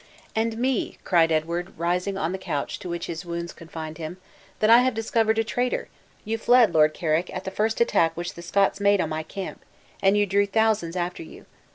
"And me," cried Edward, rising on the couch to which his wounds confined him, "that I have discovered a traitor! You fled, Lord Carrick, at the first attack which the Scots made on my camp, and you drew thousands after you.